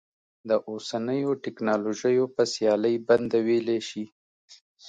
د اوسنیو ټکنالوژیو په سیالۍ بنده ویلی شي.